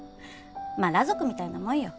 まっ裸族みたいなもんよ